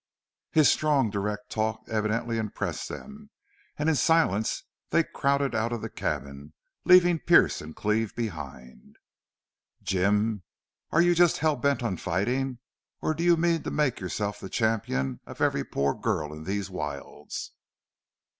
His strong, direct talk evidently impressed them, and in silence they crowded out of the cabin, leaving Pearce and Cleve behind. "Jim, are you just hell bent on fighting or do you mean to make yourself the champion of every poor girl in these wilds?"